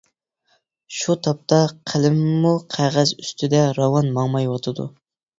شۇ تاپتا قەلىمىممۇ قەغەز ئۈستىدە راۋان ماڭمايۋاتىدۇ.